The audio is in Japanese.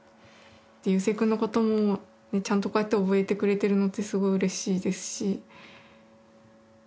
夕青くんのことをちゃんとこうやって覚えてくれてるのってすごくうれしいですし。